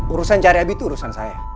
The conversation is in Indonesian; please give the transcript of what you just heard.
urusan cari abi itu urusan saya